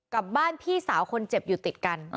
กับบ้านพี่สาวคนเจ็บอยู่ติดกัน